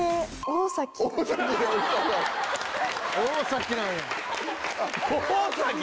大崎顔なんや。